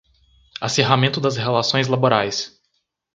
Acirramento das relações laborais